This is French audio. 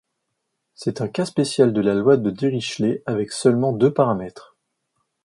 C'est un cas spécial de la loi de Dirichlet, avec seulement deux paramètres.